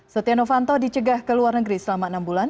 setia novanto dicegah ke luar negeri selama enam bulan